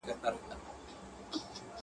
چي يې مور شېردل ته ژبه ورنژدې کړه.